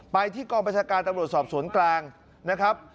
ไปที่กองประชาการตำรวจสอบสวนกลางนะครับ